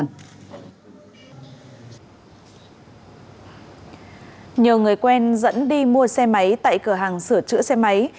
nhờ người quen dẫn đi mua xe máy tại cửa hàng sửa chữa xe máy